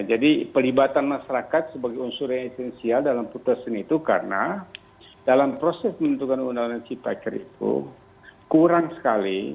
jadi pelibatan masyarakat sebagai unsur yang esensial dalam putusan itu karena dalam proses pembentukan undang undang cipta kerja itu kurang sekali